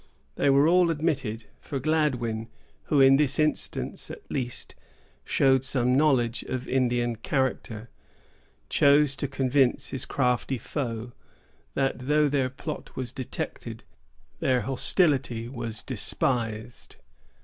They were all admitted; for Gladwyn, who, in this instance at least, showed some knowledge of Indian character, chose to convince his crafty foe that, though their plot was detected, their hostility was despised.